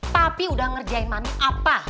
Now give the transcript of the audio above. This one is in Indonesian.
papi udah ngerjain mami apa